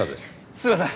すみません。